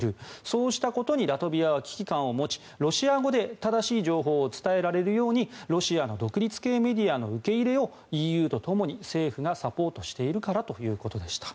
そうしたことにラトビアは危機感を持ちロシア語で正しい情報を伝えられるようにロシアの独立系メディアの受け入れをＥＵとともに政府がサポートしているからということでした。